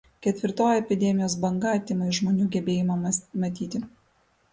Ketvirtoji epidemijos banga atima iš žmonių gebėjimą matyti.